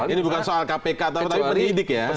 ini bukan soal kpk tapi penyidik ya